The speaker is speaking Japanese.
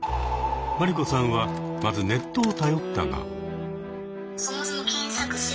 マリコさんはまずネットを頼ったが。